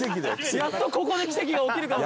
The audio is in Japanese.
やっとここで奇跡が起きるかもしれない。